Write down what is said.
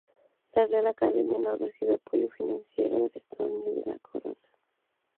La Real Academia no recibe apoyo financiero del estado ni de la Corona.